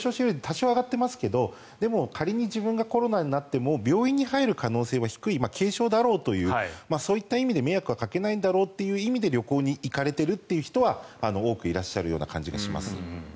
でも仮に自分がコロナになっても病院に入る可能性は低い軽症だろうというそういった意味で迷惑はかけないという意味で旅行に行かれている人は多くいらっしゃるんだと思います。